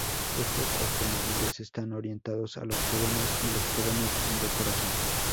Estos automóviles están orientados a los jóvenes y los jóvenes de corazón.